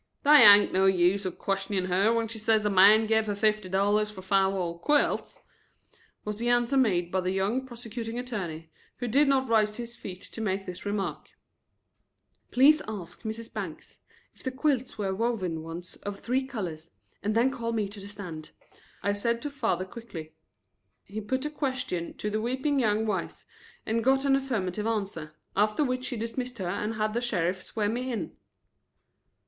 "They ain't no use of questioning her when she says a man give her fifty dollars fer five old quilts," was the answer made by the young prosecuting attorney, who did not rise to his feet to make this remark. "Please ask Mrs. Bangs if the quilts were woven ones of three colors, and then call me to the stand," I said to father quickly. He put the question to the weeping young wife and got an affirmative answer, after which he dismissed her and had the sheriff swear me in.